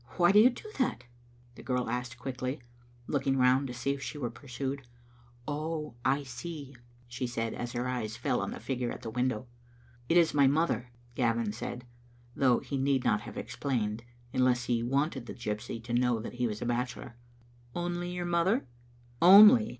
"Why do you do that?" the girl asked, quickly, look ing round to see if she were pursued. " Oh, I see," she said, as her eyes fell on the figure at the window. "It is my mother," Gavin said, though he need not have explained, unless he wanted the gypsy to know that he was a bachelor. " Only your mother?" "Only!